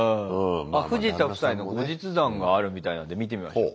あっフジタ夫妻の後日談があるみたいなんで見てみましょう。